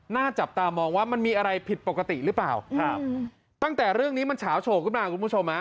น่าจับตามองว่ามันมีอะไรผิดปกติหรือเปล่าตั้งแต่เรื่องนี้มันฉาวโฉคหรือเปล่าคุณผู้ชม